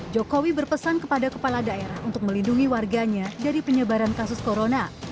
jokowi berpesan kepada kepala daerah untuk melindungi warganya dari penyebaran kasus corona